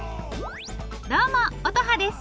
どうも乙葉です！